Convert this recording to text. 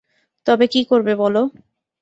তবে কী করবে বলো।